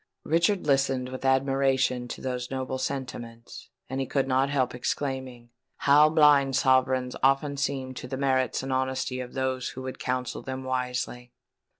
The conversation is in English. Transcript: Richard listened with admiration to these noble sentiments; and he could not help exclaiming, "How blind sovereigns often seem to the merits and honesty of those who would counsel them wisely!"